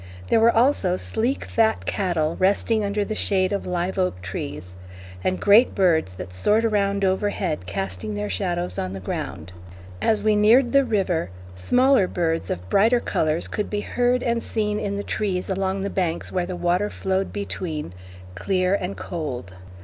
There were also sleek fat cattle resting under the shade of live oak trees, and great birds that soared around overhead casting their shadows on the ground. As we neared the river, smaller birds of brighter colors could be heard and seen in the trees along the banks where the water flowed between, clear and cold.